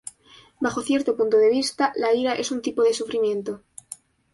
Bajo cierto punto de vista la ira es un tipo de sufrimiento.